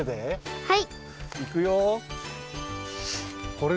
はい。